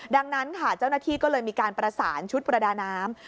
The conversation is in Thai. ดังนั้นค่ะเจ้าหน้าที่ก็เลยมีการประสานชุดประดาน้ำ